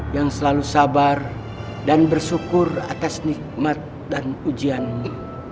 yang selalu sabar dan bersyukur atas nikmat dan ujianmu